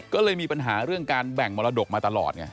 ก็เลยมีปัญหาเรื่องการแบ่งมรดกมาตลอดไง